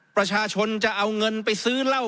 ประชาชนจะเอาเงินไปซื้อเหล้า